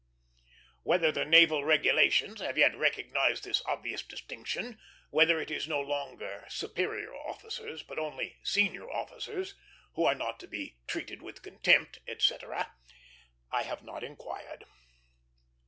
Whether the Naval Regulations have yet recognized this obvious distinction, whether it is no longer "superior officers," but only senior officers, who are not to be "treated with contempt," etc., I have not inquired.